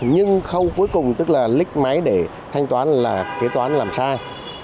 nhưng khâu cuối cùng tức là lích máy để thanh toán là kế toán làm sai